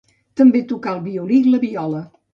També tocà el violí i la viola.